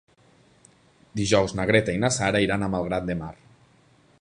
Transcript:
Dijous na Greta i na Sara iran a Malgrat de Mar.